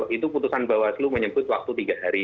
itu putusan bawaslu menyebut waktu tiga hari